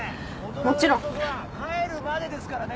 もちろん帰るまでですからね